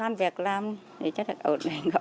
công an việc làm cho cháu ổn định